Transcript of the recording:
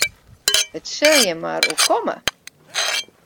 It sil jin mar oerkomme.